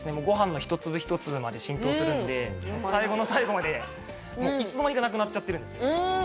ご飯の一粒一粒まで浸透するので最後の最後までいつの間にかなくなっちゃってるんですよ。